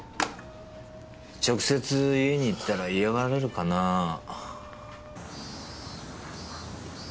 直接家に行ったら嫌がられるかなぁ。